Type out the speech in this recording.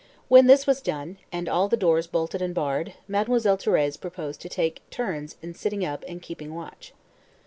When this was done, and all the doors bolted and barred, Mademoiselle Thérèse proposed to take turns in sitting up and keeping watch.